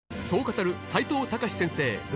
そう語る齋藤孝先生